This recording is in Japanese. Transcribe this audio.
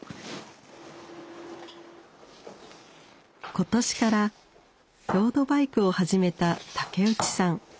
今年からロードバイクを始めた竹内さん。